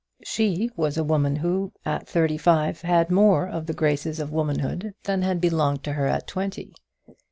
She was a woman who at thirty five had more of the graces of womanhood than had belonged to her at twenty.